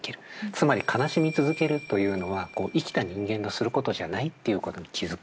つまり悲しみ続けるというのは生きた人間のすることじゃないっていうことに気付く。